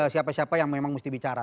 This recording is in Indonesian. siapa siapa yang memang mesti bicara